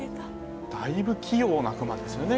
だいぶ器用なクマですよね